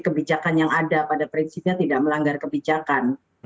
kebijakan yang ada pada prinsipnya tidak melanggar kebijakan